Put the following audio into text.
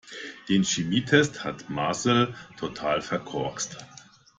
Den Chemietest hat Marcel total verkorkst.